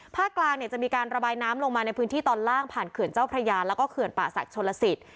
กลางเนี่ยจะมีการระบายน้ำลงมาในพื้นที่ตอนล่างผ่านเขื่อนเจ้าพระยาแล้วก็เขื่อนป่าศักดิชนลสิต